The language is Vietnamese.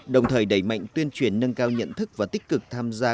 đồng thời đẩy mạnh tuyên truyền nâng cao nhận thức và tích cực tham gia